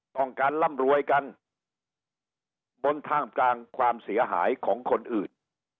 ต้องการร่ำรวยกันบนท่ามกลางความเสียหายของคนอื่น